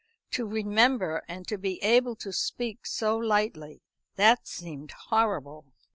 To remember, and to be able to speak so lightly. That seemed horrible.